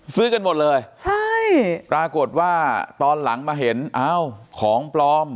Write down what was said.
ซื้อกันหมดเลยใช่ปรากฏว่าตอนหลังมาเห็นอ้าวของปลอม